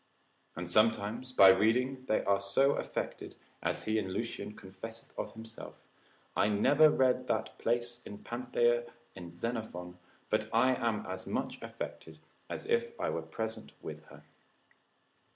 And sometimes by reading they are so affected, as he in Lucian confesseth of himself, I never read that place of Panthea in Xenophon, but I am as much affected as if I were present with her.